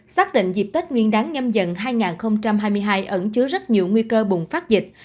xác định dịp tết nguyên đáng nhâm dần hai nghìn hai mươi hai ẩn chứa rất nhiều nguy cơ bùng phát dịch